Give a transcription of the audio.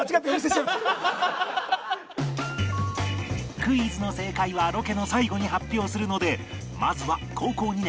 クイズの正解はロケの最後に発表するのでまずは高校２年